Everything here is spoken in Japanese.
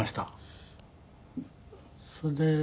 それで。